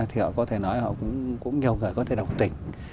thì họ có thể nói họ cũng nhiều người có thể đọc tình